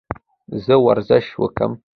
زه ورزش وکم؟